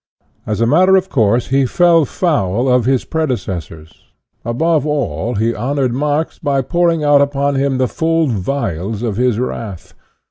As a matter of course, he fell foul of his predecessors; above all, he honored Marx by pouring out upon him the full vials of his wrath.